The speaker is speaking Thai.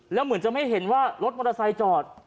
แล้วเหมือนจะไม่เห็นว่ารถมอเตอร์ไซค์จอด